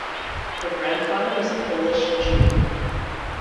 Her Grandfather was a Polish Jew.